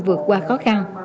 vượt qua khó khăn